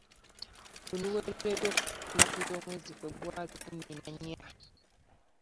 Luno luweereddwa okutuuka ennaku z'omwezi Febwali kkumi na nnya